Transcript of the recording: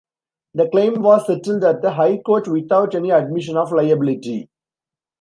The claim was settled at the High Court without any admission of liability.